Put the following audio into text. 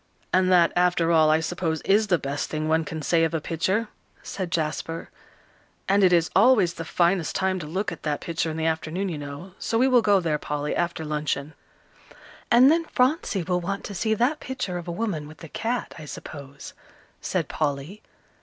"And that, after all, I suppose is the best thing one can say of a picture," said Jasper. "And it is always the finest time to look at that picture in the afternoon, you know, so we will go there, Polly, after luncheon." "And then Phronsie will want to see that picture of a woman with a cat, I suppose," said Polly.